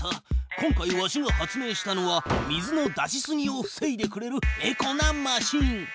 今回わしが発明したのは水の出しすぎをふせいでくれるエコなマシーン。